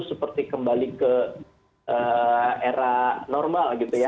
seperti kembali ke era normal gitu ya